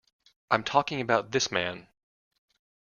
I'm talking about this man.